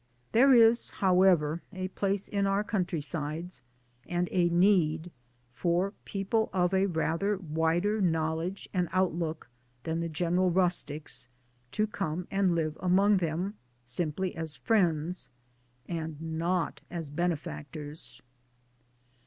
There is how ever a place in our countrysides and a need for people of a rather wider knowledge and outlook than the general rustics to come and live, among them simply as friends '(and not as benefactors).